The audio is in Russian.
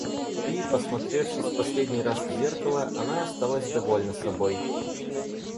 И, посмотревшись в последний раз в зеркало, она осталась довольна собой.